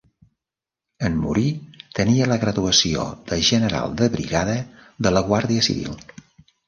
En morir tenia la graduació de general de brigada de la guàrdia civil.